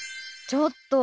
ちょっと！